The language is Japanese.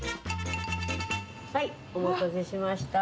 はい、お待たせしました。